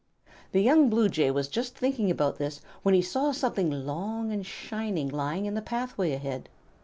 The young Blue Jay was just thinking about this when he saw something long and shining lying in the pathway ahead.